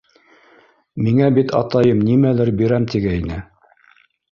Миңә бит атайым нимәлер бирәм тигәйне!